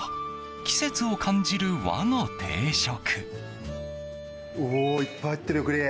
季節を感じる和の定食。